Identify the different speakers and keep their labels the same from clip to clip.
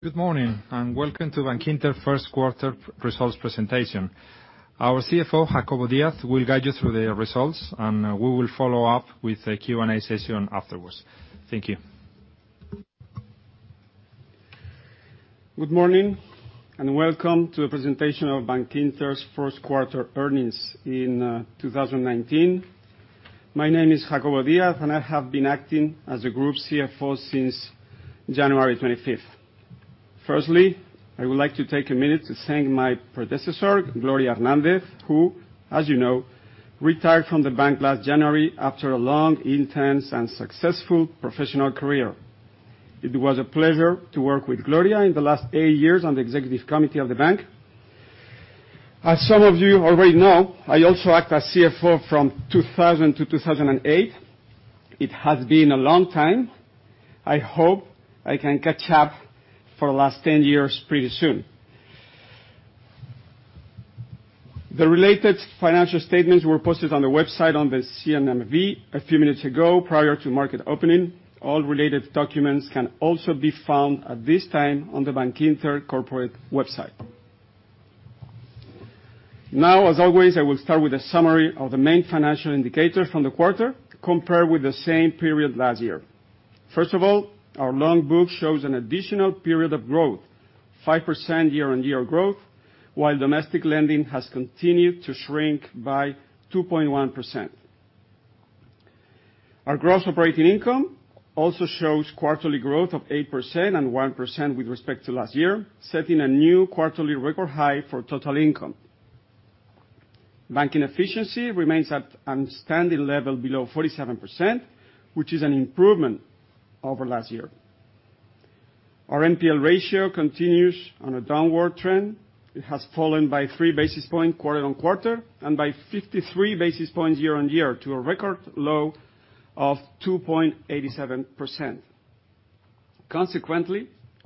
Speaker 1: Good morning, and welcome to Bankinter first quarter results presentation. Our CFO, Jacobo Díaz, will guide you through the results, and we will follow up with a Q&A session afterwards. Thank you.
Speaker 2: Good morning, and welcome to the presentation of Bankinter's first quarter earnings in 2019. My name is Jacobo Díaz, and I have been acting as the group CFO since January 25th. Firstly, I would like to take a minute to thank my predecessor, Gloria Hernández, who, as you know, retired from the bank last January after a long, intense, and successful professional career. It was a pleasure to work with Gloria in the last eight years on the executive committee of the bank. As some of you already know, I also act as CFO from 2000 to 2008. It has been a long time. I hope I can catch up for the last 10 years pretty soon. The related financial statements were posted on the website on the CNMV a few minutes ago, prior to market opening. All related documents can also be found at this time on the Bankinter corporate website. As always, I will start with a summary of the main financial indicators from the quarter compared with the same period last year. First of all, our loan book shows an additional period of growth, 5% year-on-year growth, while domestic lending has continued to shrink by 2.1%. Our gross operating income also shows quarterly growth of 8% and 1% with respect to last year, setting a new quarterly record high for total income. Banking efficiency remains at an outstanding level below 47%, which is an improvement over last year. Our NPL ratio continues on a downward trend. It has fallen by three basis points quarter-on-quarter and by 53 basis points year-on-year to a record low of 2.87%.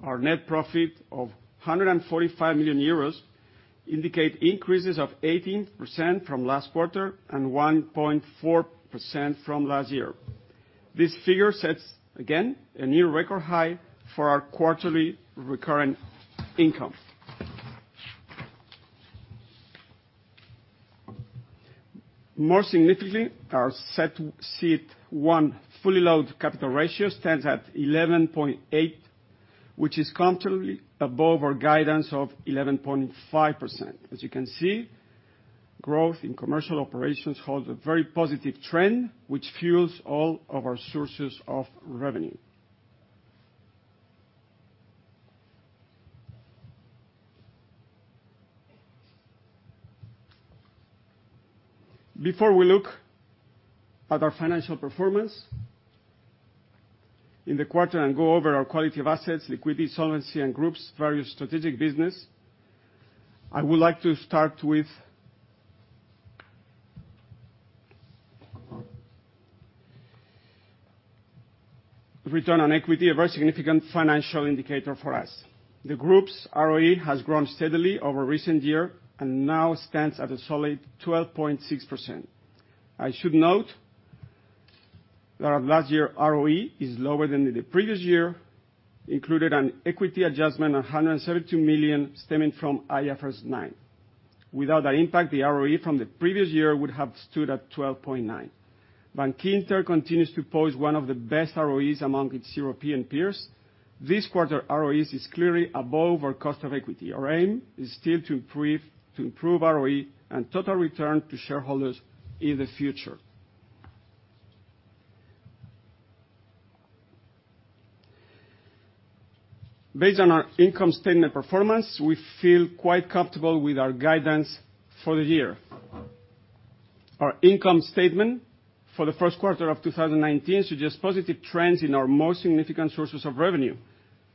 Speaker 2: Our net profit of 145 million euros indicate increases of 18% from last quarter and 1.4% from last year. This figure sets, again, a new record high for our quarterly recurrent income. More significantly, our CET1 fully loaded capital ratio stands at 11.8, which is comfortably above our guidance of 11.5%. As you can see, growth in commercial operations holds a very positive trend, which fuels all of our sources of revenue. Before we look at our financial performance in the quarter and go over our quality of assets, liquidity, solvency, and group's various strategic business, I would like to start with return on equity, a very significant financial indicator for us. The group's ROE has grown steadily over recent year and now stands at a solid 12.6%. I should note that last year ROE is lower than the previous year, included an equity adjustment of 172 million stemming from IFRS 9. Without that impact, the ROE from the previous year would have stood at 12.9%. Bankinter continues to pose one of the best ROEs among its European peers. This quarter ROE is clearly above our cost of equity. Our aim is still to improve ROE and total return to shareholders in the future. Based on our income statement performance, we feel quite comfortable with our guidance for the year. Our income statement for the first quarter of 2019 suggests positive trends in our most significant sources of revenue: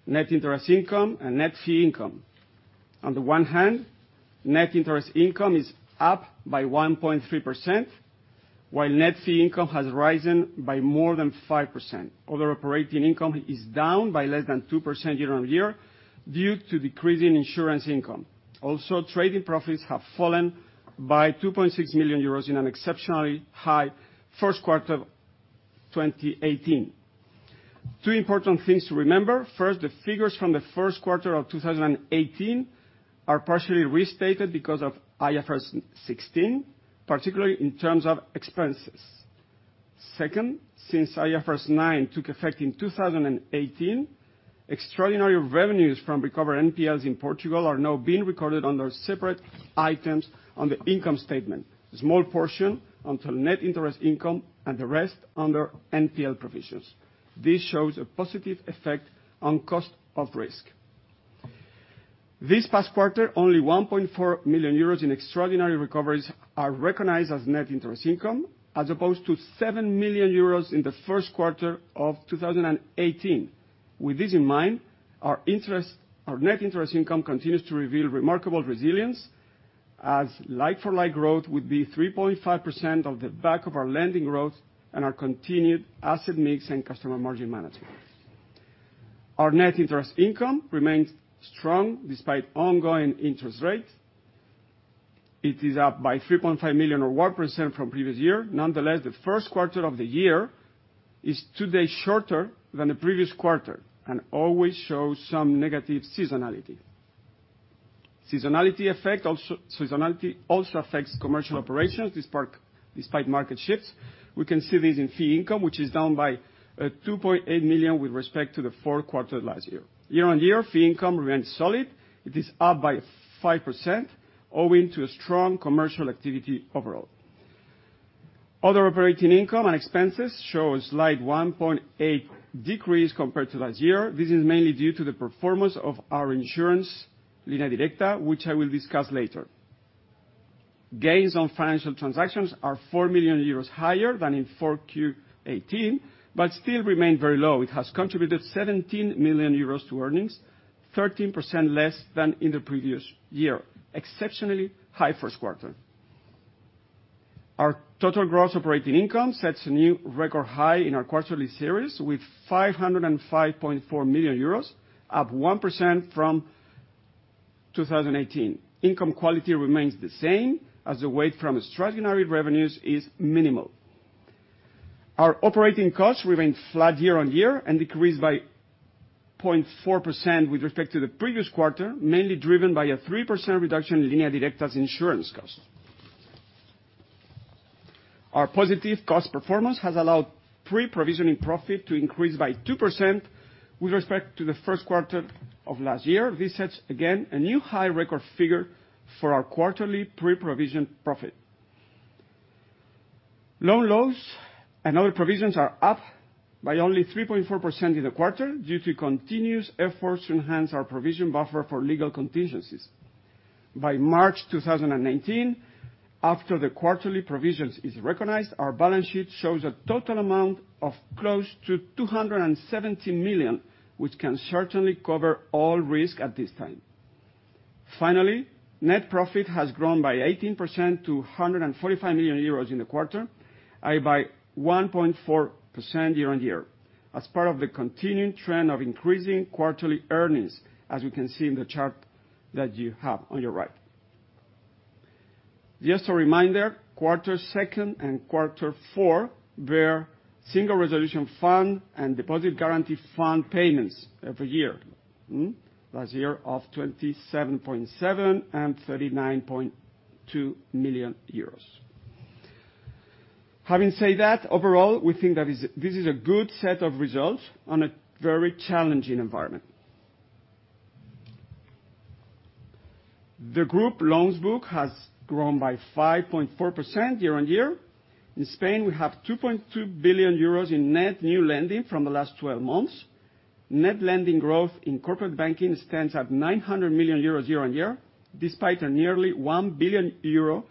Speaker 2: net interest income and net fee income. On the one hand, net interest income is up by 1.3%, while net fee income has risen by more than 5%. Other operating income is down by less than 2% year-on-year due to decrease in insurance income. Also, trading profits have fallen by 2.6 million euros in an exceptionally high first quarter 2018. Two important things to remember. First, the figures from the first quarter of 2018 are partially restated because of IFRS 16, particularly in terms of expenses. Second, since IFRS 9 took effect in 2018, extraordinary revenues from recovered NPLs in Portugal are now being recorded under separate items on the income statement. A small portion onto net interest income and the rest under NPL provisions. This shows a positive effect on cost of risk. This past quarter, only 1.4 million euros in extraordinary recoveries are recognized as net interest income, as opposed to 7 million euros in the first quarter of 2018. With this in mind, our net interest income continues to reveal remarkable resilience, as like-for-like growth would be 3.5% of the back of our lending growth and our continued asset mix and customer margin management. Our net interest income remains strong despite ongoing interest rate. It is up by 3.5 million, or 1% from previous year. Nonetheless, the first quarter of the year is two days shorter than the previous quarter, and always shows some negative seasonality. Seasonality also affects commercial operations despite market shifts. We can see this in fee income, which is down by 2.8 million with respect to the fourth quarter of last year. Year-on-year, fee income remains solid. It is up by 5%, owing to a strong commercial activity overall. Other operating income and expenses show a slight 1.8 decrease compared to last year. This is mainly due to the performance of our insurance, Línea Directa, which I will discuss later. Gains on financial transactions are 4 million euros higher than in 4Q 2018, but still remain very low. It has contributed 17 million euros to earnings, 13% less than in the previous year. Exceptionally high for a quarter. Our total gross operating income sets a new record high in our quarterly series, with 505.4 million euros, up 1% from 2018. Income quality remains the same, as the weight from extraordinary revenues is minimal. Our operating costs remain flat year-on-year, and decreased by 0.4% with respect to the previous quarter, mainly driven by a 3% reduction in Línea Directa's insurance costs. Our positive cost performance has allowed pre-provisioning profit to increase by 2% with respect to the first quarter of last year. This sets, again, a new high record figure for our quarterly pre-provision profit. Loan loss and other provisions are up by only 3.4% in the quarter due to continuous efforts to enhance our provision buffer for legal contingencies. By March 2019, after the quarterly provisions is recognized, our balance sheet shows a total amount of close to 270 million, which can certainly cover all risk at this time. Finally, net profit has grown by 18% to 145 million euros in the quarter, and by 1.4% year-on-year, as part of the continuing trend of increasing quarterly earnings, as you can see in the chart that you have on your right. Just a reminder, second quarter and quarter four were single resolution fund and deposit guarantee fund payments every year. Last year of 27.7 million and 39.2 million euros. Having said that, overall, we think that this is a good set of results on a very challenging environment. The group loans book has grown by 5.4% year-on-year. In Spain, we have 2.2 billion euros in net new lending from the last 12 months. Net lending growth in corporate banking stands at 900 million euros year-on-year, despite a nearly 1 billion euro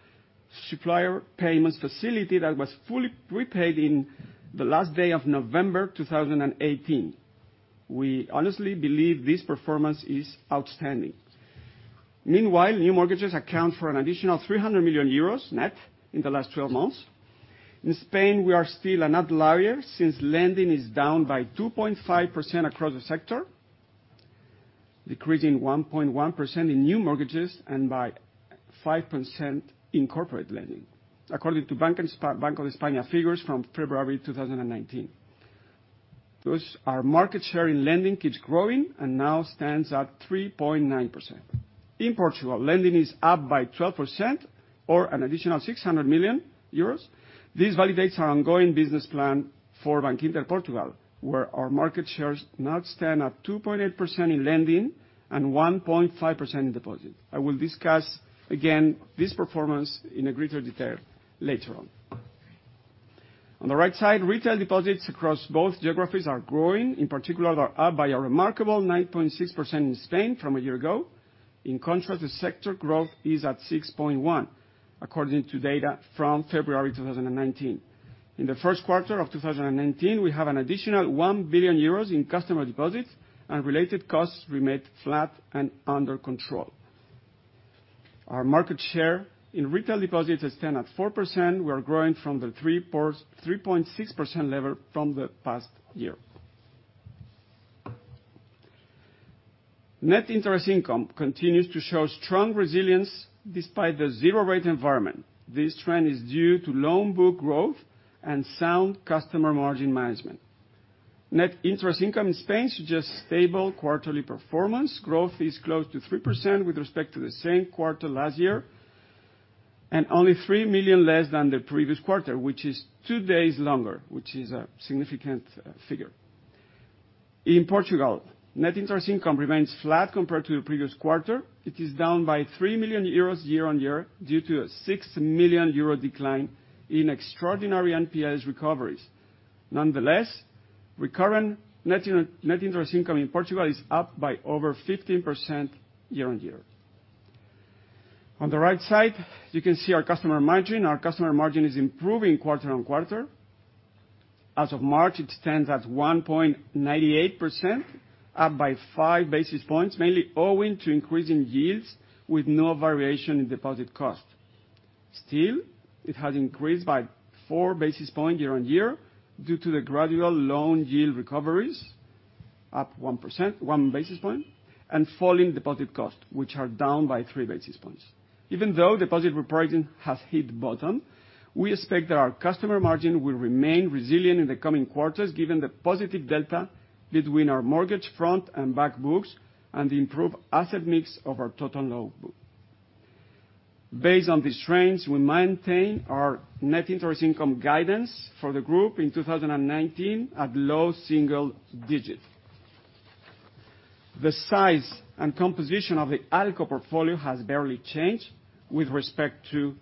Speaker 2: supplier payments facility that was fully prepaid in the last day of November 2018. We honestly believe this performance is outstanding. Meanwhile, new mortgages account for an additional 300 million euros net in the last 12 months. In Spain, we are still an outlier, since lending is down by 2.5% across the sector, decreasing 1.1% in new mortgages and by 5% in corporate lending, according to Banco de España figures from February 2019. Our market share in lending keeps growing and now stands at 3.9%. In Portugal, lending is up by 12%, or an additional 600 million euros. This validates our ongoing business plan for Bankinter Portugal, where our market shares now stand at 2.8% in lending and 1.5% in deposit. I will discuss again this performance in a greater detail later on. On the right side, retail deposits across both geographies are growing, in particular, they're up by a remarkable 9.6% in Spain from a year ago. The sector growth is at 6.1%, according to data from February 2019. In the first quarter of 2019, we have an additional 1 billion euros in customer deposits, and related costs remained flat and under control. Our market share in retail deposits stand at 4%. We are growing from the 3.6% level from the past year. Net interest income continues to show strong resilience despite the zero rate environment. This trend is due to loan book growth and sound customer margin management. Net interest income in Spain suggests stable quarterly performance. Growth is close to 3% with respect to the same quarter last year, and only 3 million less than the previous quarter, which is two days longer, which is a significant figure. In Portugal, net interest income remains flat compared to the previous quarter. It is down by 3 million euros year-on-year due to a 6 million euro decline in extraordinary NPLs recoveries. Recurrent net interest income in Portugal is up by over 15% year-on-year. On the right side, you can see our customer margin. Our customer margin is improving quarter-on-quarter. As of March, it stands at 1.98%, up by five basis points, mainly owing to increasing yields with no variation in deposit cost. Still, it has increased by four basis points year-on-year due to the gradual loan yield recoveries, up one basis point, and falling deposit costs, which are down by three basis points. Even though deposit repricing has hit bottom, we expect that our customer margin will remain resilient in the coming quarters, given the positive delta between our mortgage front and back books, and the improved asset mix of our total loan book. Based on these trends, we maintain our net interest income guidance for the group in 2019 at low single digits. The size and composition of the ALCO portfolio has barely changed with respect to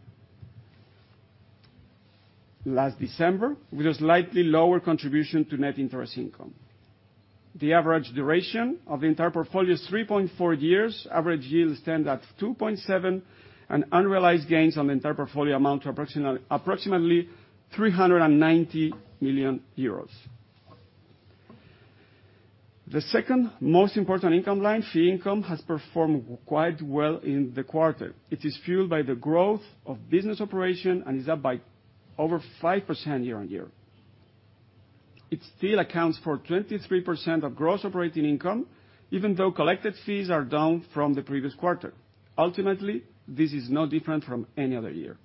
Speaker 2: last December, with a slightly lower contribution to net interest income. The average duration of the entire portfolio is 3.4 years. Average yields stand at 2.7%, and unrealized gains on the entire portfolio amount to approximately 390 million euros. The second most important income line, fee income, has performed quite well in the quarter. It is fueled by the growth of business operation and is up by over 5% year-on-year. It still accounts for 23% of gross operating income, even though collected fees are down from the previous quarter. Ultimately, this is no different from any other year.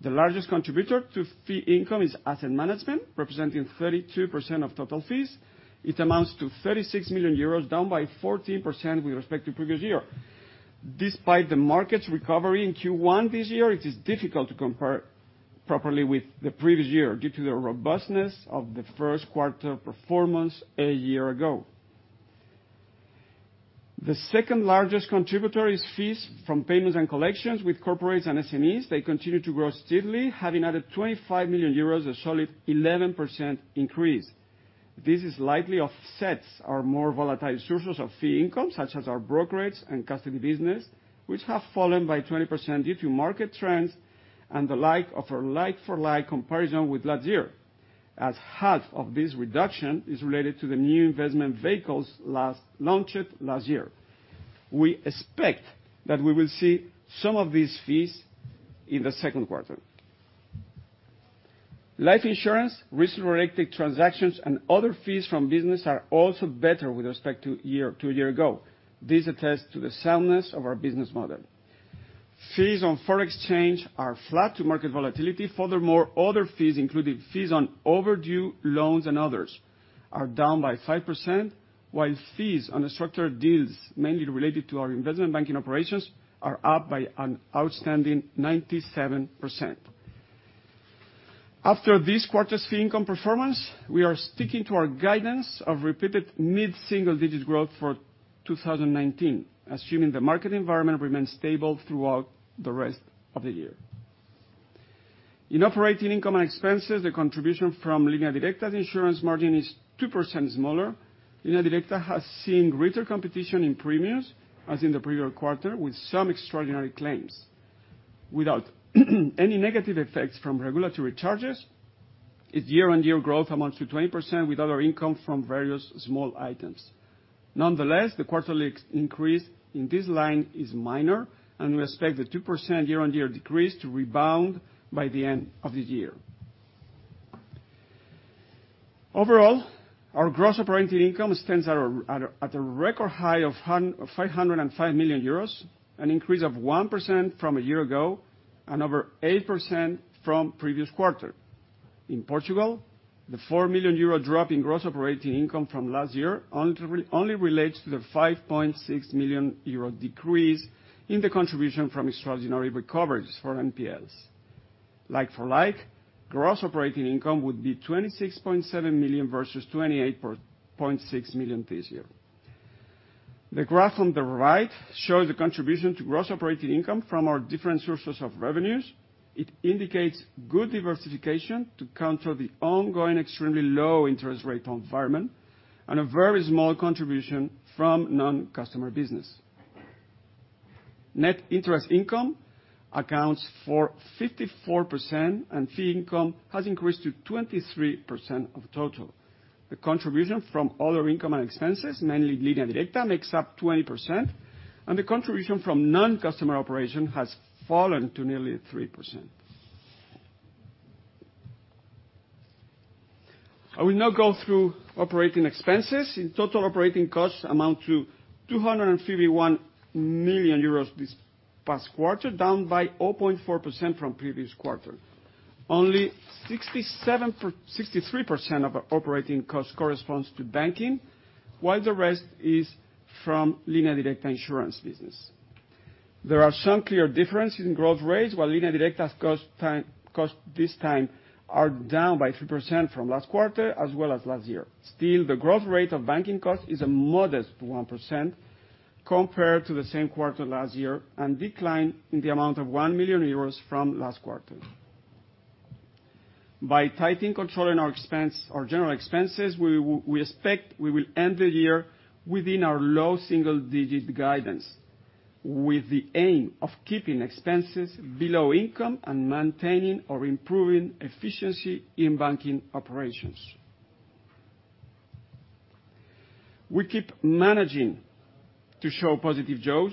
Speaker 2: The largest contributor to fee income is asset management, representing 32% of total fees. It amounts to 36 million euros, down by 14% with respect to previous year. Despite the market's recovery in Q1 this year, it is difficult to compare properly with the previous year due to the robustness of the first quarter performance a year ago. The second largest contributor is fees from payments and collections with corporates and SMEs. They continue to grow steadily, having added 25 million euros, a solid 11% increase. This likely offsets our more volatile sources of fee income, such as our brokerages and custody business, which have fallen by 20% due to market trends and the lack of a like-for-like comparison with last year, as half of this reduction is related to the new investment vehicles launched last year. We expect that we will see some of these fees in the second quarter. Life insurance, risk-related transactions, and other fees from business are also better with respect to a year ago. This attests to the soundness of our business model. Fees on foreign exchange are flat to market volatility. Other fees, including fees on overdue loans and others, are down by 5%, while fees on structured deals, mainly related to our investment banking operations, are up by an outstanding 97%. After this quarter's fee income performance, we are sticking to our guidance of repeated mid-single-digit growth for 2019, assuming the market environment remains stable throughout the rest of the year. In operating income and expenses, the contribution from Línea Directa's insurance margin is 2% smaller. Línea Directa has seen greater competition in premiums, as in the previous quarter, with some extraordinary claims. Without any negative effects from regulatory charges, its year-on-year growth amounts to 20%, with other income from various small items. The quarterly increase in this line is minor, and we expect the 2% year-on-year decrease to rebound by the end of the year. Overall, our gross operating income stands at a record high of 505 million euros, an increase of 1% from a year ago, and over 8% from the previous quarter. In Portugal, the 4 million euro drop in gross operating income from last year only relates to the 5.6 million euro decrease in the contribution from extraordinary recoveries for NPLs. Like-for-like, gross operating income would be 26.7 million versus 28.6 million this year. The graph on the right shows the contribution to gross operating income from our different sources of revenues. It indicates good diversification to counter the ongoing extremely low interest rate environment and a very small contribution from non-customer business. Net interest income accounts for 54%, and fee income has increased to 23% of the total. The contribution from other income and expenses, mainly Línea Directa, makes up 20%, and the contribution from non-customer operation has fallen to nearly 3%. I will now go through operating expenses. In total, operating costs amount to 251 million euros this past quarter, down by 0.4% from the previous quarter. Only 63% of operating costs correspond to banking, while the rest is from Línea Directa insurance business. There are some clear differences in growth rates. While Línea Directa's costs this time are down by 3% from last quarter as well as last year. The growth rate of banking costs is a modest 1% compared to the same quarter last year, and declined in the amount of 1 million euros from last quarter. By tightening control on our general expenses, we expect we will end the year within our low single-digit guidance, with the aim of keeping expenses below income and maintaining or improving efficiency in banking operations. We keep managing to show positive jaws,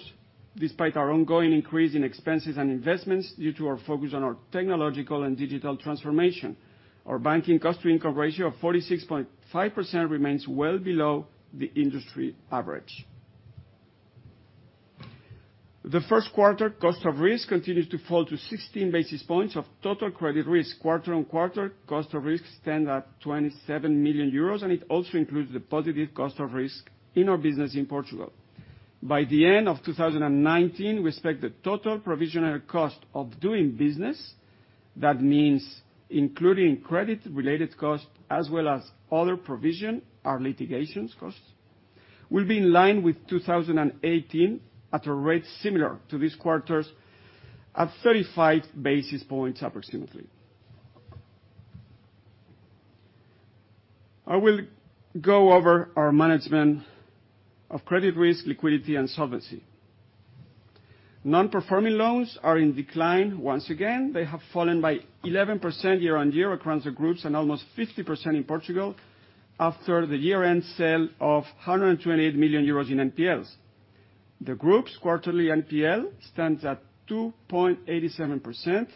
Speaker 2: despite our ongoing increase in expenses and investments due to our focus on our technological and digital transformation, our banking cost to income ratio of 46.5% remains well below the industry average. The first quarter cost of risk continues to fall to 16 basis points of total credit risk. Quarter-on-quarter, cost of risk stand at 27 million euros, and it also includes the positive cost of risk in our business in Portugal. By the end of 2019, we expect the total provisional cost of doing business, that means including credit-related cost as well as other provision, our litigations costs, will be in line with 2018 at a rate similar to this quarter's, at 35 basis points approximately. I will go over our management of credit risk, liquidity, and solvency. Non-performing loans are in decline once again. They have fallen by 11% year-on-year across the groups and almost 50% in Portugal after the year-end sale of 128 million euros in NPLs. The group's quarterly NPL stands at 2.87%.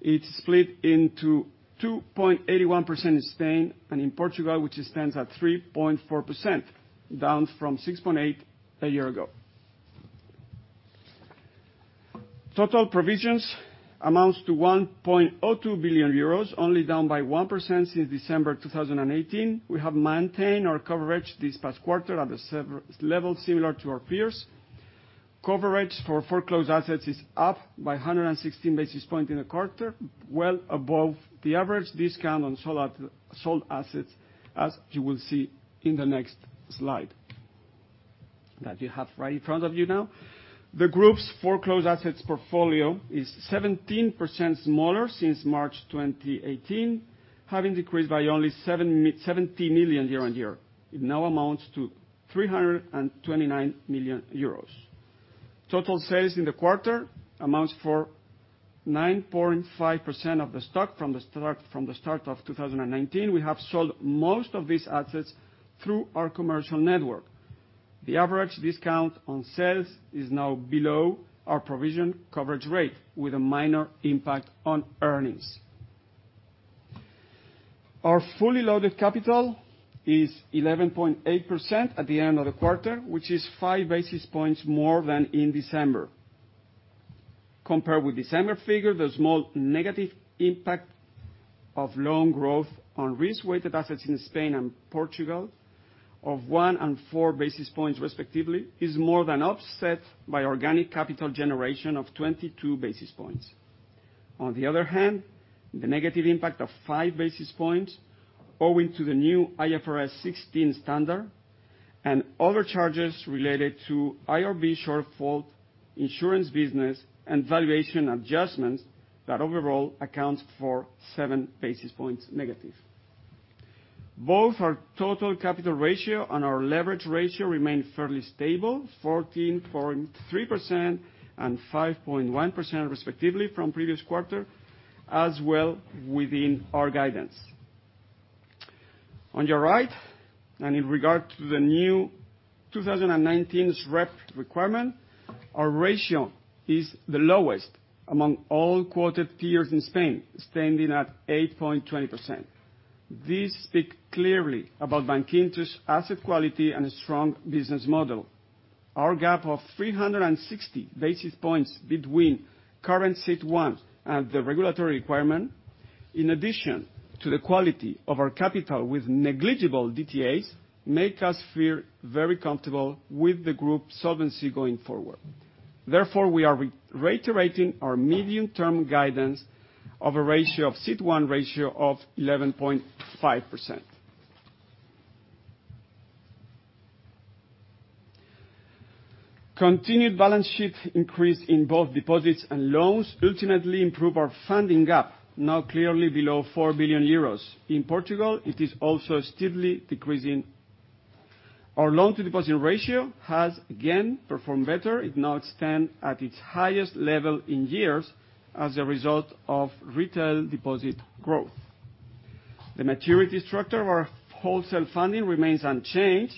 Speaker 2: It's split into 2.81% in Spain, and in Portugal, which stands at 3.4%, down from 6.8% a year ago. Total provisions amounts to 1.02 billion euros, only down by 1% since December 2018. We have maintained our coverage this past quarter at a level similar to our peers. Coverage for foreclosed assets is up by 116 basis points in the quarter, well above the average discount on sold assets, as you will see in the next slide that you have right in front of you now. The group's foreclosed assets portfolio is 17% smaller since March 2018, having decreased by only 70 million year-on-year. It now amounts to 329 million euros. Total sales in the quarter amounts for 9.5% of the stock from the start of 2019. We have sold most of these assets through our commercial network. The average discount on sales is now below our provision coverage rate, with a minor impact on earnings. Our fully loaded capital is 11.8% at the end of the quarter, which is five basis points more than in December. Compared with December figure, the small negative impact of loan growth on risk-weighted assets in Spain and Portugal of one and four basis points, respectively, is more than offset by organic capital generation of 22 basis points. On the other hand, the negative impact of five basis points owing to the new IFRS 16 standard and other charges related to IRB shortfall, insurance business, and valuation adjustments that overall accounts for seven basis points negative. Both our total capital ratio and our leverage ratio remain fairly stable, 14.3% and 5.1% respectively from previous quarter, as well within our guidance. On your right, in regard to the new 2019 SREP requirement, our ratio is the lowest among all quoted peers in Spain, standing at 8.20%. These speak clearly about Bankinter's asset quality and a strong business model. Our gap of 360 basis points between current CET1 and the regulatory requirement, in addition to the quality of our capital with negligible DTAs, make us feel very comfortable with the group solvency going forward. Therefore, we are reiterating our medium-term guidance of a ratio of CET1 ratio of 11.5%. Continued balance sheet increase in both deposits and loans ultimately improve our funding gap, now clearly below 4 billion euros. In Portugal, it is also steadily decreasing. Our loan to deposit ratio has again performed better. It now stands at its highest level in years as a result of retail deposit growth. The maturity structure of our wholesale funding remains unchanged.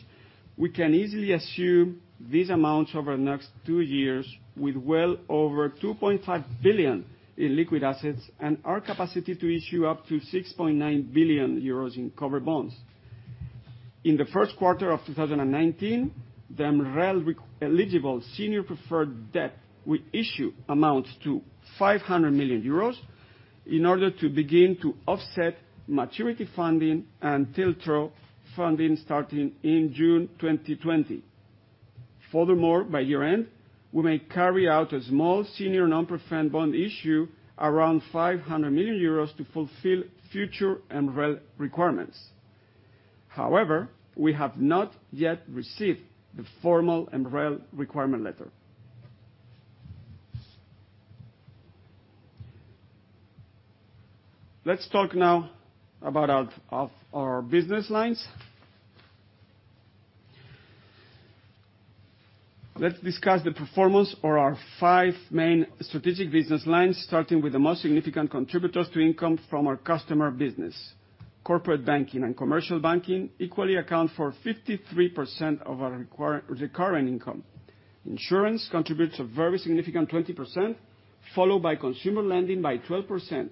Speaker 2: We can easily assume these amounts over the next two years with well over 2.5 billion in liquid assets and our capacity to issue up to 6.9 billion euros in cover bonds. In the first quarter of 2019, the MREL-eligible senior preferred debt we issue amounts to 500 million euros in order to begin to offset maturity funding and TLTRO funding starting in June 2020. Furthermore, by year-end, we may carry out a small senior non-preferred bond issue around 500 million euros to fulfill future MREL requirements. However, we have not yet received the formal MREL requirement letter. Let's talk now about our business lines. Let's discuss the performance for our five main strategic business lines, starting with the most significant contributors to income from our customer business. Corporate banking and commercial banking equally account for 53% of our recurring income. Insurance contributes a very significant 20%, followed by consumer lending by 12%.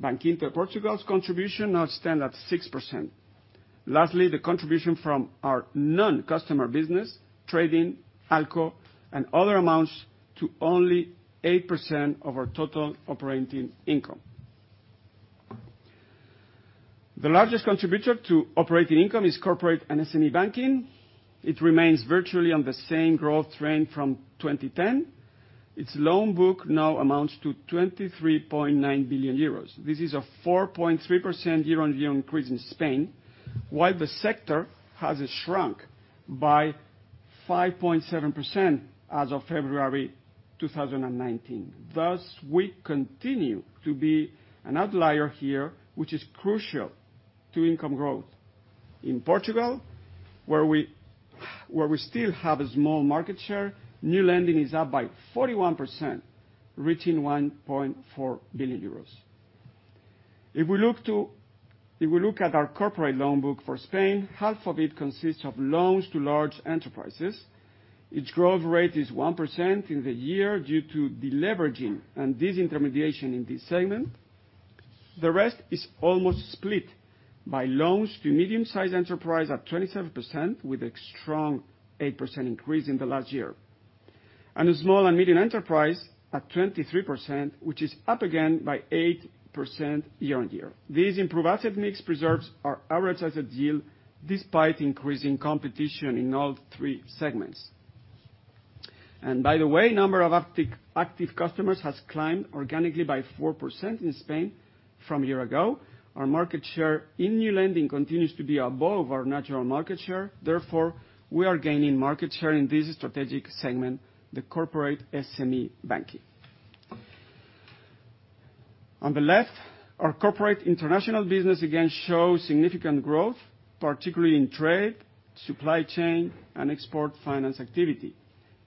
Speaker 2: Bankinter Portugal's contribution now stand at 6%. Lastly, the contribution from our non-customer business, trading, ALCO, and other amounts to only 8% of our total operating income. The largest contributor to operating income is corporate and SME banking. It remains virtually on the same growth trend from 2010. Its loan book now amounts to 23.9 billion euros. This is a 4.3% year-on-year increase in Spain, while the sector has shrunk by 5.7% as of February 2019. Thus, we continue to be an outlier here, which is crucial to income growth. In Portugal, where we still have a small market share, new lending is up by 41%, reaching 1.4 billion euros. If we look at our corporate loan book for Spain, half of it consists of loans to large enterprises. Its growth rate is 1% in the year due to deleveraging and disintermediation in this segment. The rest is almost split by loans to medium-sized enterprise at 27%, with a strong 8% increase in the last year. Small and medium enterprise at 23%, which is up again by 8% year-on-year. This improved asset mix preserves our average asset yield despite increasing competition in all three segments. By the way, number of active customers has climbed organically by 4% in Spain from a year ago. Our market share in new lending continues to be above our natural market share. Therefore, we are gaining market share in this strategic segment, the corporate SME banking. On the left, our corporate international business again shows significant growth, particularly in trade, supply chain, and export finance activity.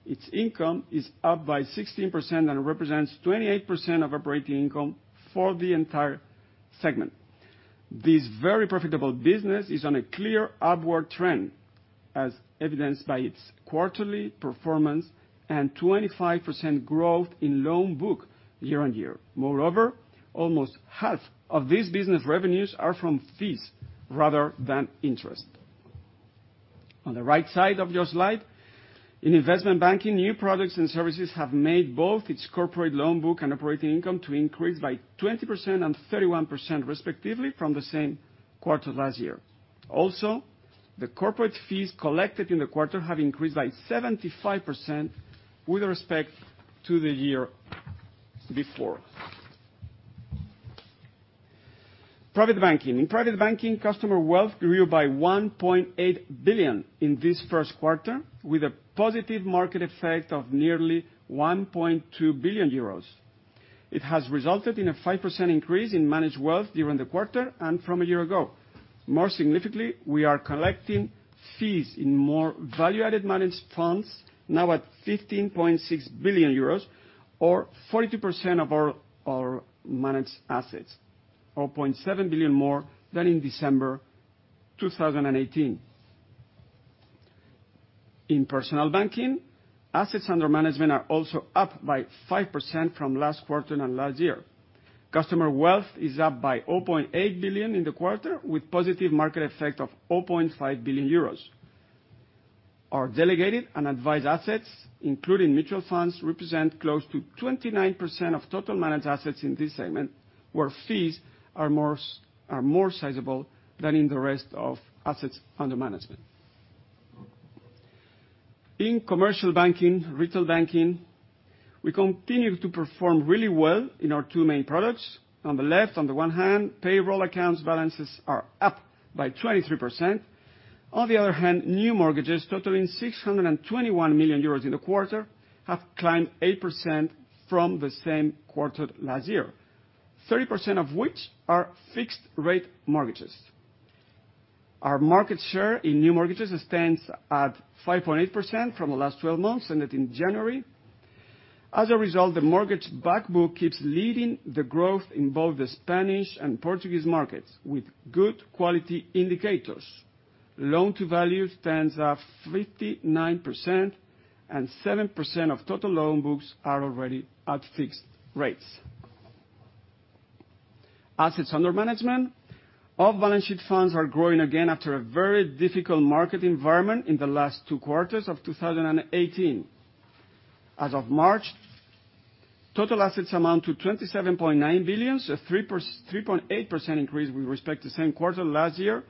Speaker 2: Its income is up by 16% and represents 28% of operating income for the entire segment. This very profitable business is on a clear upward trend, as evidenced by its quarterly performance and 25% growth in loan book year-on-year. Moreover, almost half of these business revenues are from fees rather than interest. On the right side of your slide, in investment banking, new products and services have made both its corporate loan book and operating income to increase by 20% and 31% respectively from the same quarter last year. Also, the corporate fees collected in the quarter have increased by 75% with respect to the year before. Private banking. In private banking, customer wealth grew by 1.8 billion in this first quarter, with a positive market effect of nearly 1.2 billion euros. It has resulted in a 5% increase in managed wealth during the quarter and from a year ago. More significantly, we are collecting fees in more value-added managed funds, now at 15.6 billion euros or 42% of our managed assets, or 0.7 billion more than in December 2018. In personal banking, assets under management are also up by 5% from last quarter and last year. Customer wealth is up by 0.8 billion in the quarter, with positive market effect of 0.5 billion euros. Our delegated and advised assets, including mutual funds, represent close to 29% of total managed assets in this segment, where fees are more sizable than in the rest of assets under management. In commercial banking, retail banking, we continue to perform really well in our two main products. On the one hand, payroll accounts balances are up by 23%. On the other hand, new mortgages totaling 621 million euros in the quarter, have climbed 8% from the same quarter last year, 30% of which are fixed rate mortgages. Our market share in new mortgages stands at 5.8% from the last 12 months, ended in January. As a result, the mortgage back book keeps leading the growth in both the Spanish and Portuguese markets with good quality indicators. Loan to value stands at 59% and 7% of total loan books are already at fixed rates. Assets under management. Off-balance-sheet funds are growing again after a very difficult market environment in the last two quarters of 2018. As of March, total assets amount to 27.9 billion, so 3.8% increase with respect to same quarter last year,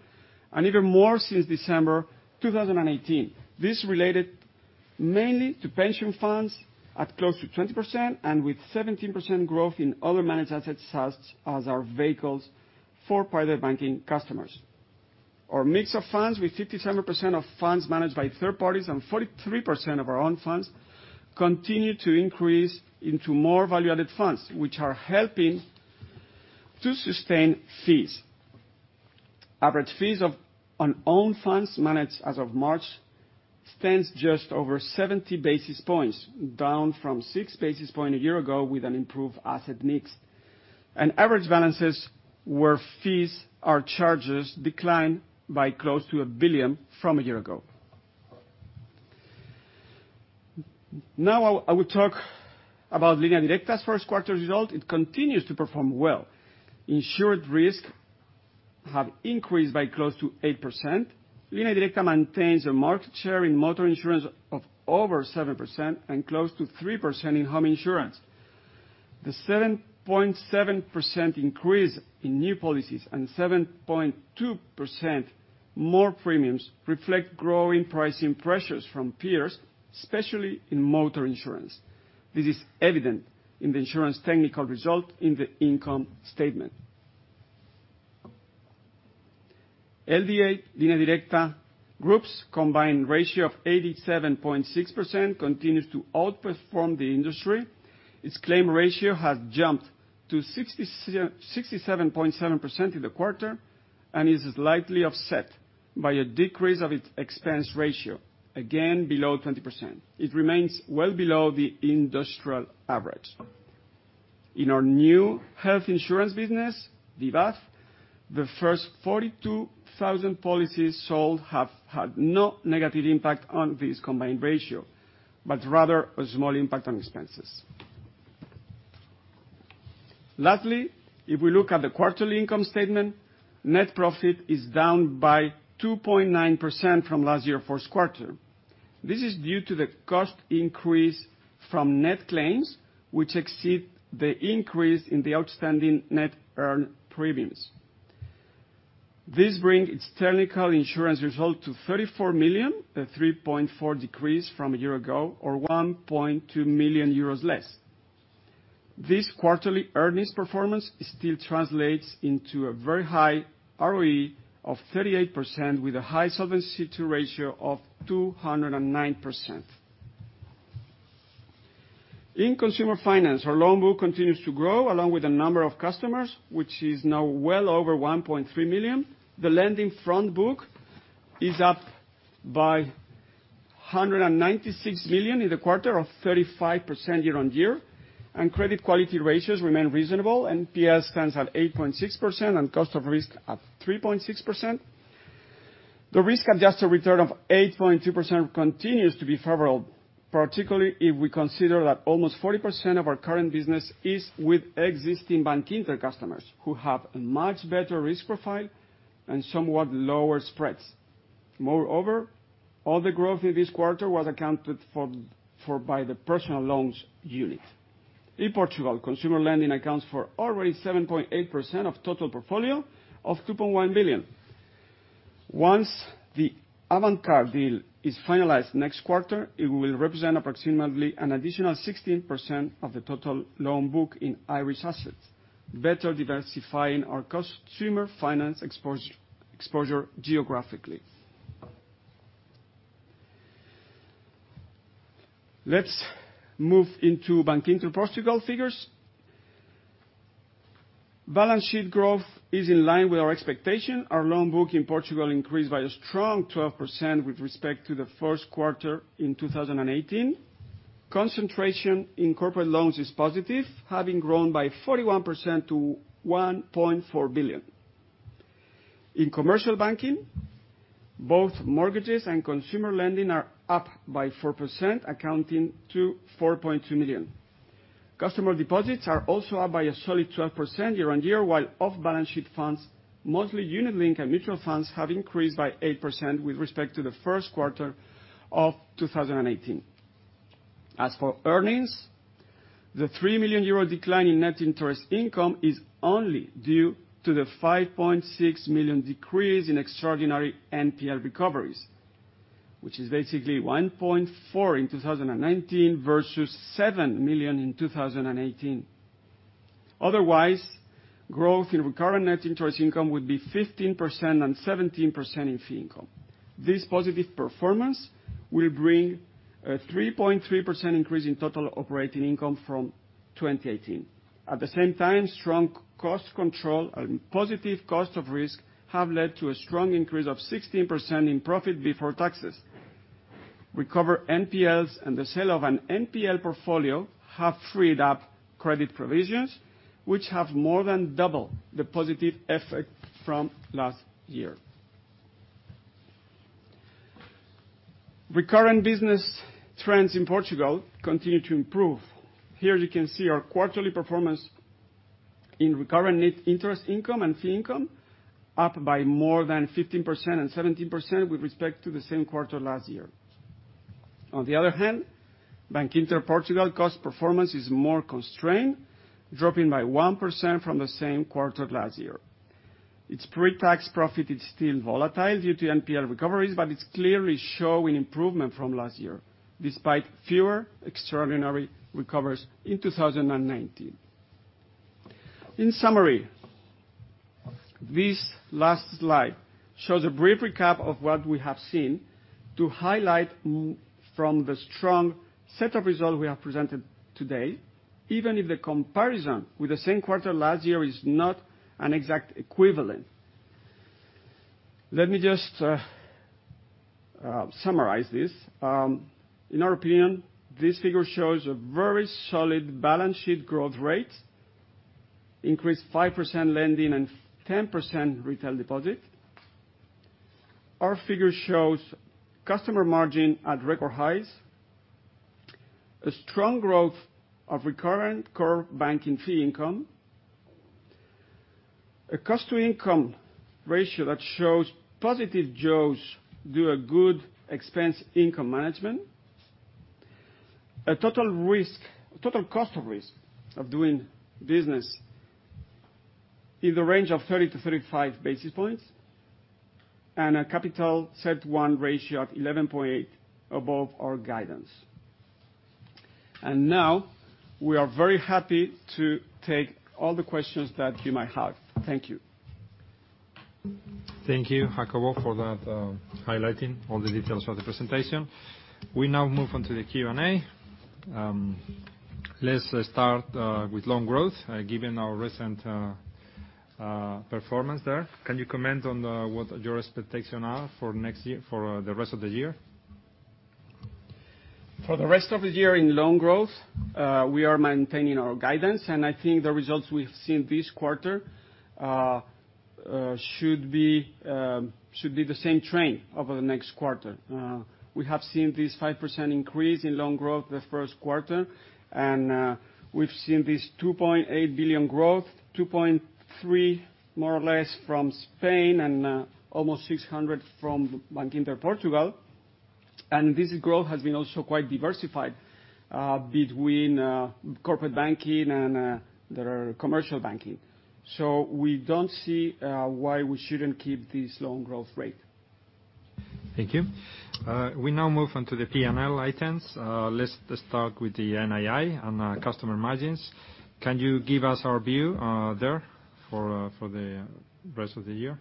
Speaker 2: and even more since December 2018. This related mainly to pension funds at close to 20% and with 17% growth in other managed assets, such as our vehicles for private banking customers. Our mix of funds with 57% of funds managed by third parties and 43% of our own funds continue to increase into more value-added funds, which are helping to sustain fees. Average fees of on own funds managed as of March stands just over 70 basis points, down from six basis point a year ago with an improved asset mix. Average balances where fees or charges declined by close to 1 billion from a year ago. Now I will talk about Línea Directa's first quarter result. It continues to perform well. Insured risk have increased by close to 8%. Línea Directa maintains a market share in motor insurance of over 7% and close to 3% in home insurance. The 7.7% increase in new policies and 7.2% more premiums reflect growing pricing pressures from peers, especially in motor insurance. This is evident in the insurance technical result in the income statement. LDA, Línea Directa Group's combined ratio of 87.6% continues to outperform the industry. Its claim ratio has jumped to 67.7% in the quarter and is slightly offset by a decrease of its expense ratio, again below 20%. It remains well below the industrial average. In our new health insurance business, Vivaz, the first 42,000 policies sold have had no negative impact on this combined ratio, but rather a small impact on expenses. Lastly, if we look at the quarterly income statement, net profit is down by 2.9% from last year first quarter. This is due to the cost increase from net claims, which exceed the increase in the outstanding net earned premiums. This bring its technical insurance result to 34 million, a 3.4% decrease from a year ago, or 1.2 million euros less. This quarterly earnings performance still translates into a very high ROE of 38% with a high Solvency II ratio of 209%. In consumer finance, our loan book continues to grow along with the number of customers, which is now well over 1.3 million. The lending front book is up by 196 million in the quarter of 35% year-on-year. Credit quality ratios remain reasonable. NPL stands at 8.6% and cost of risk at 3.6%. The risk-adjusted return of 8.2% continues to be favorable, particularly if we consider that almost 40% of our current business is with existing Bankinter customers, who have a much better risk profile and somewhat lower spreads. Moreover, all the growth in this quarter was accounted for by the personal loans unit. In Portugal, consumer lending accounts for already 7.8% of total portfolio of 2.1 billion. Once the Avantcard deal is finalized next quarter, it will represent approximately an additional 16% of the total loan book in Irish assets, better diversifying our consumer finance exposure geographically. Let's move into Bankinter Portugal figures. Balance sheet growth is in line with our expectation. Our loan book in Portugal increased by a strong 12% with respect to the first quarter in 2018. Concentration in corporate loans is positive, having grown by 41% to 1.4 billion. In commercial banking, both mortgages and consumer lending are up by 4%, accounting to 4.2 million. Customer deposits are also up by a solid 12% year-on-year, while off-balance sheet funds, mostly unit link and mutual funds, have increased by 8% with respect to the first quarter of 2018. As for earnings, the 3 million euro decline in net interest income is only due to the 5.6 million decrease in extraordinary NPL recoveries, which is basically 1.4 in 2019 versus 7 million in 2018. Otherwise, growth in recurrent net interest income would be 15% and 17% in fee income. This positive performance will bring a 3.3% increase in total operating income from 2018. At the same time, strong cost control and positive cost of risk have led to a strong increase of 16% in profit before taxes. Recover NPLs and the sale of an NPL portfolio have freed up credit provisions, which have more than double the positive effect from last year. Recurrent business trends in Portugal continue to improve. Here you can see our quarterly performance in recurrent net interest income and fee income, up by more than 15% and 17% with respect to the same quarter last year. On the other hand, Bankinter Portugal cost performance is more constrained, dropping by 1% from the same quarter last year. Its pre-tax profit is still volatile due to NPL recoveries, but it's clearly showing improvement from last year, despite fewer extraordinary recovers in 2019. In summary, this last slide shows a brief recap of what we have seen. To highlight from the strong set of results we have presented today, even if the comparison with the same quarter last year is not an exact equivalent. Let me just summarize this. In our opinion, this figure shows a very solid balance sheet growth rate, increased 5% lending and 10% retail deposit. Our figure shows customer margin at record highs, a strong growth of recurrent core banking fee income, a cost-to-income ratio that shows positive jaws through a good expense income management, a total cost of risk of doing business in the range of 30-35 basis points, and a capital CET1 ratio of 11.8% above our guidance. Now we are very happy to take all the questions that you might have. Thank you.
Speaker 1: Thank you, Jacobo, for that highlighting all the details for the presentation. We now move on to the Q&A. Let's start with loan growth, given our recent performance there. Can you comment on what your expectations are for the rest of the year?
Speaker 2: For the rest of the year in loan growth, we are maintaining our guidance. I think the results we've seen this quarter should be the same trend over the next quarter. We have seen this 5% increase in loan growth the first quarter, and we've seen this 2.8 billion growth, 2.3, more or less, from Spain and almost 600 from Bankinter Portugal. This growth has been also quite diversified between corporate banking and commercial banking. We don't see why we shouldn't keep this loan growth rate.
Speaker 1: Thank you. We now move on to the P&L items. Let's start with the NII and customer margins. Can you give us a view there for the rest of the year?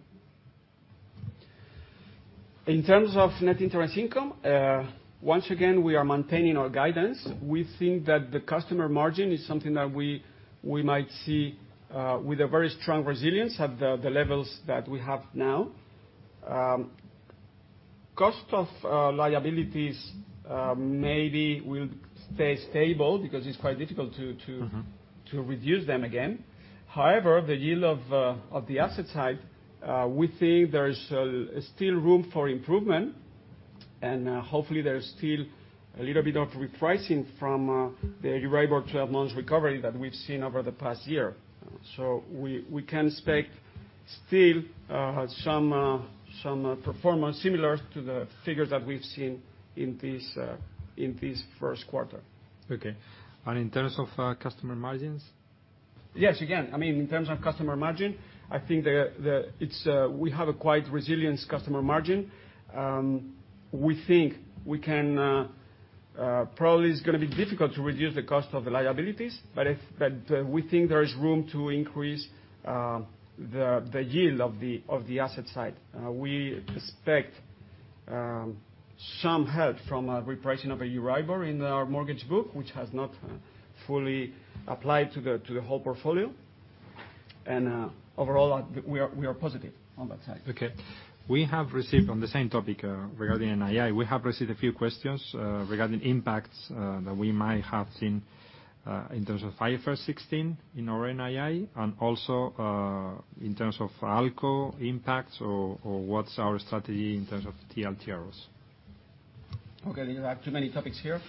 Speaker 2: In terms of net interest income, once again, we are maintaining our guidance. We think that the customer margin is something that we might see with a very strong resilience at the levels that we have now. Cost of liabilities maybe will stay stable because it's quite difficult to reduce them again. However, the yield of the asset side, we think there is still room for improvement, and hopefully, there's still a little bit of repricing from the EURIBOR 12 months recovery that we've seen over the past year. We can expect still some performance similar to the figures that we've seen in this first quarter.
Speaker 1: Okay. In terms of customer margins?
Speaker 2: Yes. Again, in terms of customer margin, I think we have a quite resilient customer margin. We think probably it's going to be difficult to reduce the cost of the liabilities, but we think there is room to increase the yield of the asset side. We expect some help from a repricing of EURIBOR in our mortgage book, which has not fully applied to the whole portfolio. Overall, we are positive on that side.
Speaker 1: Okay. On the same topic regarding NII, we have received a few questions regarding impacts that we might have seen in terms of IFRS 16 in our NII, and also in terms of ALCO impacts, or what's our strategy in terms of TLTROs.
Speaker 2: Okay. There are too many topics here.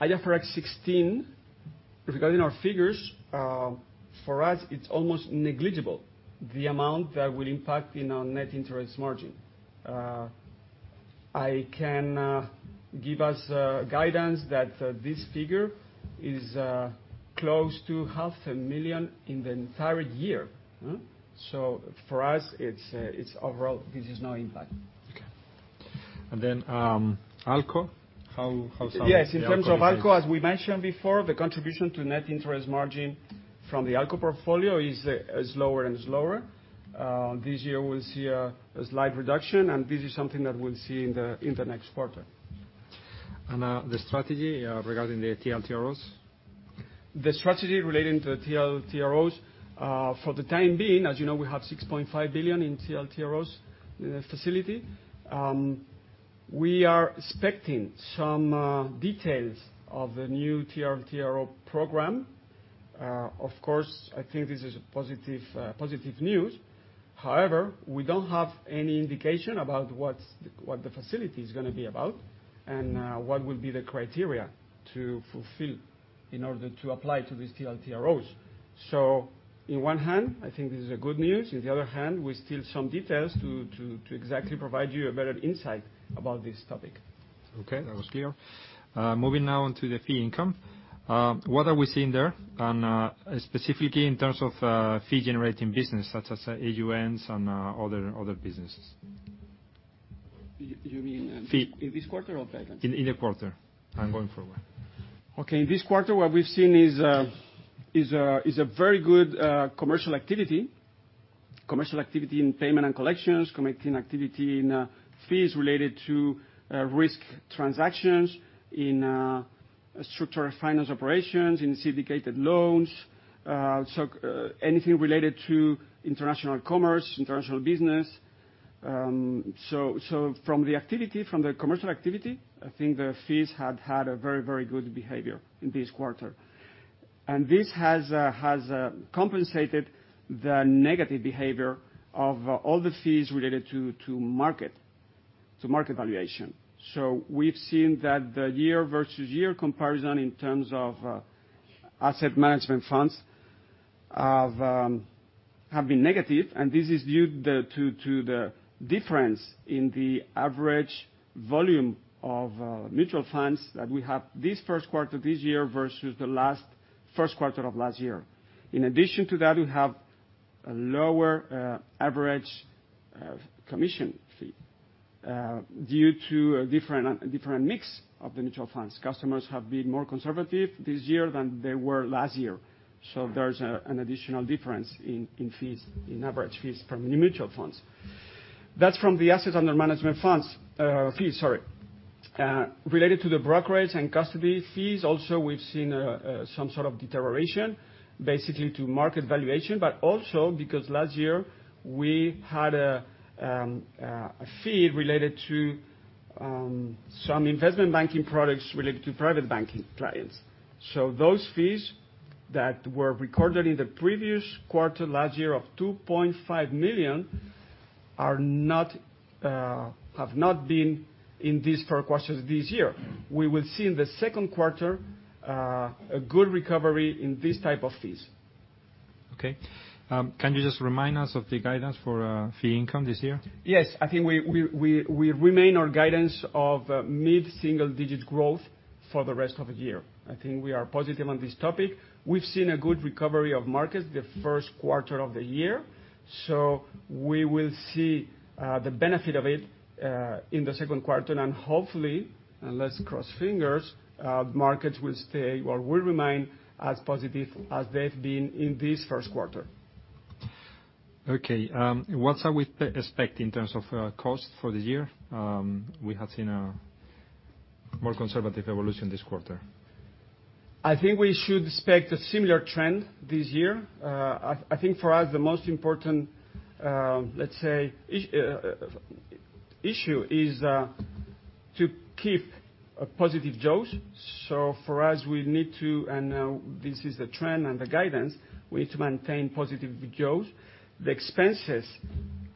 Speaker 2: IFRS 16, regarding our figures, for us, it's almost negligible, the amount that will impact in our net interest margin. I can give us guidance that this figure is close to half a million in the entire year. For us, overall, this has no impact.
Speaker 1: Okay. ALCO, how's the ALCO piece?
Speaker 2: Yes, in terms of ALCO, as we mentioned before, the contribution to net interest margin from the ALCO portfolio is lower. This year, we'll see a slight reduction, this is something that we'll see in the next quarter.
Speaker 1: The strategy regarding the TLTROs?
Speaker 2: The strategy relating to TLTROs, for the time being, as you know, we have 6.5 billion in TLTROs facility. We are expecting some details of the new TLTRO program. Of course, I think this is positive news. However, we don't have any indication about what the facility is going to be about and what will be the criteria to fulfill in order to apply to these TLTROs. On one hand, I think this is a good news. On the other hand, we're still some details to exactly provide you a better insight about this topic.
Speaker 1: Okay. That was clear. Moving now on to the fee income. What are we seeing there, and specifically in terms of fee-generating business such as AUMs and other businesses?
Speaker 2: You mean.
Speaker 1: Fee
Speaker 2: in this quarter or guidance?
Speaker 1: In the quarter, and going forward.
Speaker 2: Okay. In this quarter, what we've seen is a very good commercial activity. Commercial activity in payment and collections, commercial activity in fees related to risk transactions, in structured finance operations, in syndicated loans. Anything related to international commerce, international business. From the commercial activity, I think the fees have had a very good behavior in this quarter. This has compensated the negative behavior of all the fees related to market valuation. We've seen that the year-over-year comparison in terms of asset management funds have been negative, and this is due to the difference in the average volume of mutual funds that we have this first quarter this year versus the first quarter of last year. In addition to that, we have a lower average commission fee due to a different mix of the mutual funds. Customers have been more conservative this year than they were last year. There's an additional difference in average fees from the mutual funds. That's from the assets under management funds. Fees, sorry. Related to the brokerage and custody fees, also, we've seen some sort of deterioration, basically to market valuation, but also because last year we had a fee related to some investment banking products related to private banking clients. Those fees that were recorded in the previous quarter last year of 2.5 million have not been in these first quarters this year. We will see in the second quarter a good recovery in this type of fees.
Speaker 1: Okay. Can you just remind us of the guidance for fee income this year?
Speaker 2: Yes. I think we remain our guidance of mid-single-digit growth for the rest of the year. I think we are positive on this topic. We've seen a good recovery of markets the first quarter of the year, we will see the benefit of it in the second quarter. Hopefully, and let's cross fingers, markets will remain as positive as they've been in this first quarter.
Speaker 1: Okay. What are we expecting in terms of cost for the year? We have seen a more conservative evolution this quarter.
Speaker 2: I think we should expect a similar trend this year. I think for us, the most important, let's say, issue is to keep a positive growth. For us, we need to, and this is the trend and the guidance, we need to maintain positive growth. The expenses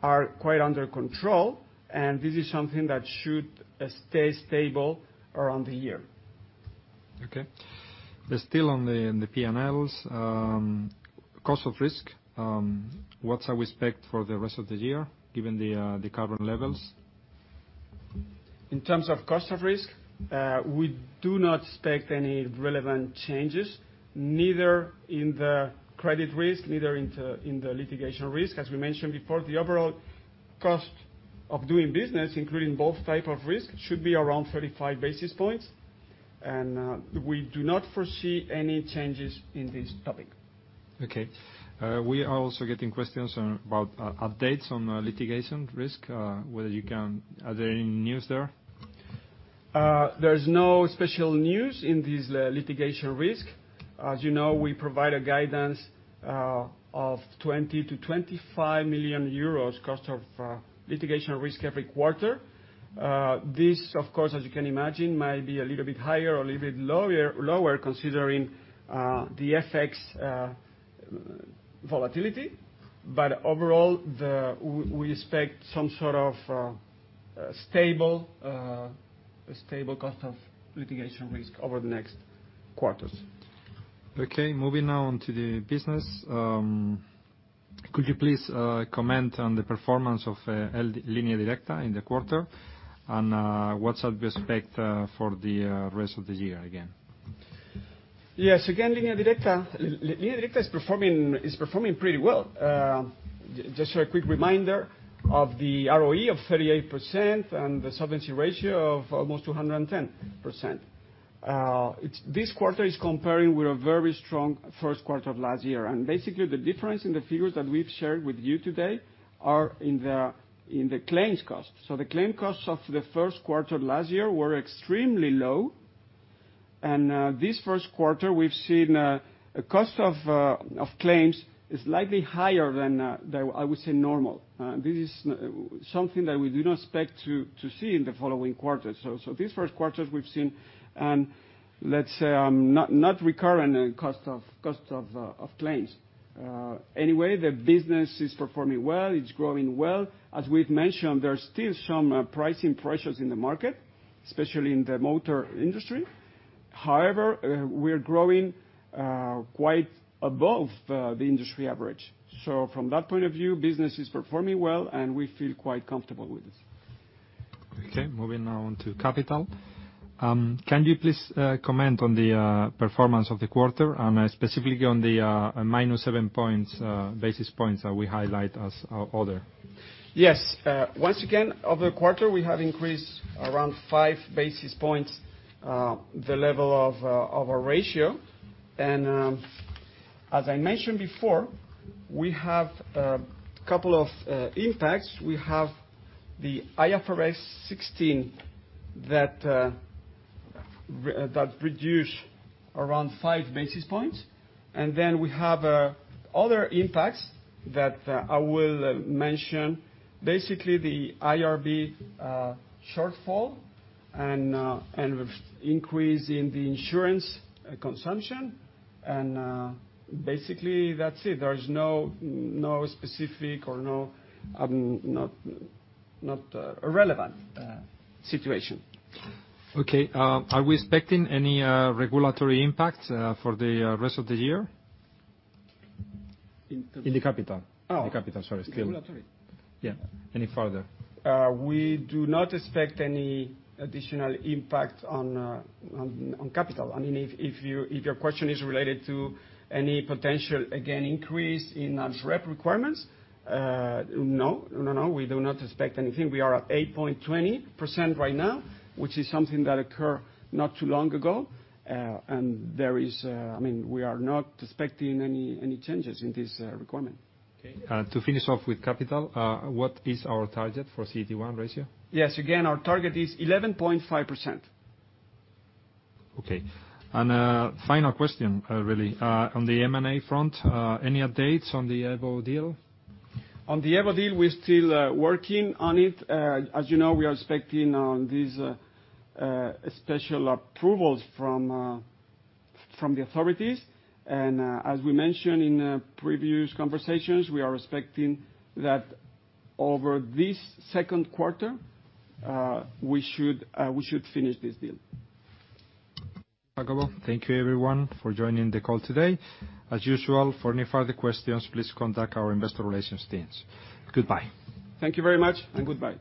Speaker 2: are quite under control, and this is something that should stay stable around the year.
Speaker 1: Okay. Still on the P&L's cost of risk, what are we expecting for the rest of the year, given the current levels?
Speaker 2: In terms of cost of risk, we do not expect any relevant changes, neither in the credit risk, neither in the litigation risk. As we mentioned before, the overall cost of doing business, including both type of risk, should be around 35 basis points, and we do not foresee any changes in this topic.
Speaker 1: Okay. We are also getting questions about updates on litigation risk. Are there any news there?
Speaker 2: There's no special news in this litigation risk. As you know, we provide a guidance of 20 million-25 million euros cost of litigation risk every quarter. This, of course, as you can imagine, might be a little bit higher or a little bit lower considering the FX volatility. Overall, we expect some sort of a stable cost of litigation risk over the next quarters.
Speaker 1: Okay. Moving now on to the business. Could you please comment on the performance of Línea Directa in the quarter, and what are we expect for the rest of the year again?
Speaker 2: Yes. Again, Línea Directa is performing pretty well. Just a quick reminder of the ROE of 38% and the solvency ratio of almost 210%. This quarter is comparing with a very strong first quarter of last year. Basically, the difference in the figures that we've shared with you today are in the claims cost. The claim costs of the first quarter last year were extremely low, and this first quarter we've seen a cost of claims slightly higher than, I would say, normal. This is something that we do not expect to see in the following quarters. This first quarter we've seen, let's say, not recurring cost of claims. Anyway, the business is performing well. It's growing well. As we've mentioned, there's still some pricing pressures in the market, especially in the motor industry. However, we're growing quite above the industry average. From that point of view, business is performing well, and we feel quite comfortable with this.
Speaker 1: Okay, moving now on to capital. Can you please comment on the performance of the quarter and specifically on the minus seven basis points that we highlight as other?
Speaker 2: Yes. Once again, over the quarter, we have increased around five basis points, the level of our ratio. As I mentioned before, we have a couple of impacts. We have the IFRS 16 that reduce around five basis points, we have other impacts that I will mention. Basically, the IRB shortfall and increase in the insurance consumption. Basically, that's it. There's no specific or not relevant situation.
Speaker 1: Okay. Are we expecting any regulatory impact for the rest of the year?
Speaker 2: In capital?
Speaker 1: In the capital.
Speaker 2: Oh.
Speaker 1: In capital, sorry. Still.
Speaker 2: Regulatory?
Speaker 1: Yeah. Any further.
Speaker 2: We do not expect any additional impact on capital. If your question is related to any potential, again, increase in our SREP requirements, no. We do not expect anything. We are at 8.20% right now, which is something that occur not too long ago. We are not expecting any changes in this requirement.
Speaker 1: Okay. To finish off with capital, what is our target for CET1 ratio?
Speaker 2: Yes. Again, our target is 11.5%.
Speaker 1: Okay. Final question, really. On the M&A front, any updates on the EVO deal?
Speaker 2: On the EVO deal, we're still working on it. As you know, we are expecting on these special approvals from the authorities. As we mentioned in previous conversations, we are expecting that over this second quarter, we should finish this deal.
Speaker 1: Jacobo, thank you everyone for joining the call today. As usual, for any further questions, please contact our investor relations teams. Goodbye.
Speaker 2: Thank you very much, and goodbye.